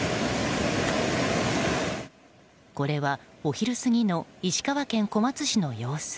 これはお昼過ぎの石川県小松市の様子。